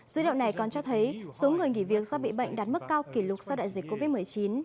dữ liệu này còn cho thấy số người nghỉ việc do bị bệnh đạt mức cao kỷ lục sau đại dịch covid một mươi chín